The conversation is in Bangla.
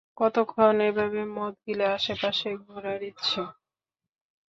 কতক্ষণ এভাবে মদ গিলে আশপাশে ঘোরার ইচ্ছে?